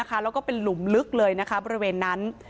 แล้วก็เป็นหลุมลึกเลยนะคะบริเวณนั้น